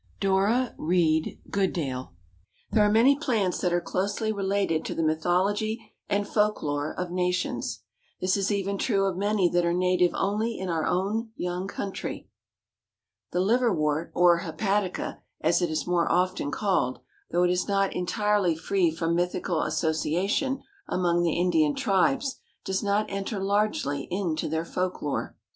—Dora Read Goodale. There are many plants that are closely related to the mythology and folklore of nations. This is even true of many that are native only in our own young country. The Liverwort, or Hepatica, as it is more often called, though it is not entirely free from mythical association among the Indian tribes, does not enter largely into their folklore.